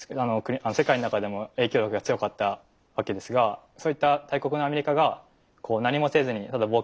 世界の中でも影響力が強かったわけですがそういった大国のアメリカが何もせずにただ傍観している。